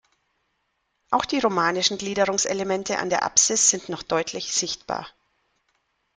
Auch die romanischen Gliederungselemente an der Apsis sind noch deutlich sichtbar.